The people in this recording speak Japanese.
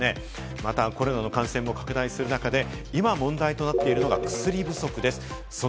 また、コロナの感染も拡大する中、今問題となっているのが薬不足です。